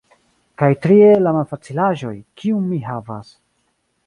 Kaj trie, la malfacilaĵoj, kiun mi havas.